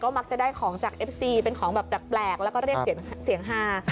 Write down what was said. มักจะได้ของจากเอฟซีเป็นของแบบแปลกแล้วก็เรียกเสียงฮา